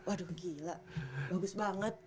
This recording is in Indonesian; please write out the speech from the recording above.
aduh gila bagus banget